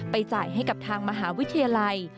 จ่ายให้กับทางมหาวิทยาลัย